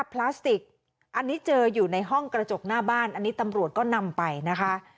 พลาสติกอันนี้เจออยู่ในห้องกระจกหน้าบ้านอันนี้ตำรวจก็นำไปนะคะ